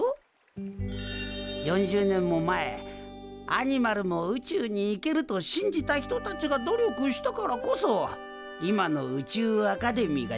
４０年も前アニマルも宇宙に行けると信じた人たちが努力したからこそ今の宇宙アカデミーが出来たんじゃ。